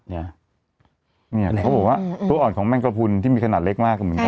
เขาบอกว่าตัวอ่อนของแมงกระพุนที่มีขนาดเล็กมากเหมือนกัน